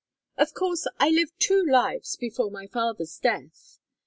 X "Of course I lived two lives before my father's death.